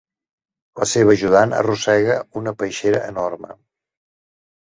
La seva ajudant arrossega una peixera enorme.